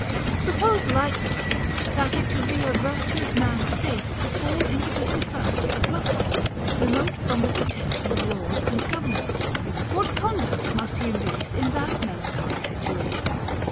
Suppose likewise, that it should be a virtuous man's fate to fall into the society of ruffians, remote from the protection of laws and government; what conduct must he embrace in that melancholy situation?